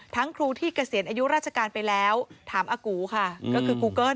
ครูที่เกษียณอายุราชการไปแล้วถามอากูค่ะก็คือครูเกิ้ล